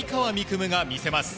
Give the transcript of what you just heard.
夢が見せます。